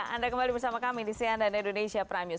anda kembali bersama kami di cnn indonesia prime news